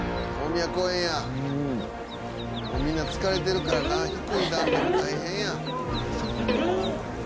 みんな疲れてるからな低い段でも大変や。